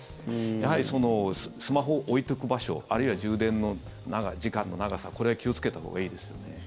やはりスマホを置いておく場所あるいは充電の時間の長さこれは気をつけたほうがいいですよね。